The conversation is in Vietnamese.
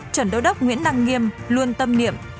chuẩn đô đốc nguyễn đăng nghiêm luôn tâm niệm